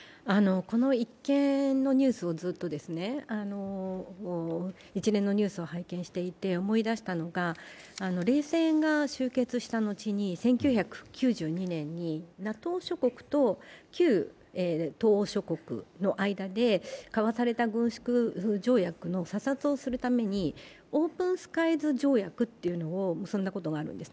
この一連のニュースを拝見していて思い出したのが、冷戦が終結した後に、１９９２年にＮＡＴＯ諸国と旧東欧諸国の間で交わされた軍縮条約の査察をするためにオープンスカイズ条約というのを結んだことがあるんですね。